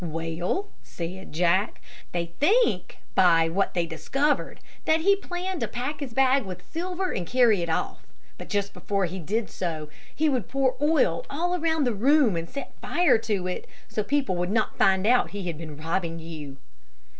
"Well," said Jack, "they think by what they discovered, that he planned to pack his bag with silver, and carry it off; but just before he did so he would pour oil around the room, and set fire to it, so people would not find out that he had been robbing you."